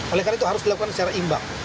oleh karena itu harus dilakukan secara imbang